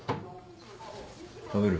食べる？